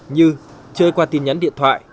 như chơi qua tin nhắn điện thoại